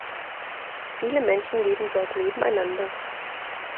Viele Menschen leben dort nebeneinander.